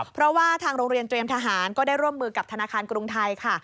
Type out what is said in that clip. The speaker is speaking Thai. เพราะว่าทางโรงเรียนเตรียมทหารก็ได้ร่วมมือกับธนาคารกรุงไทยค่ะ